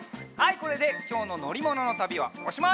これできょうののりもののたびはおしまい！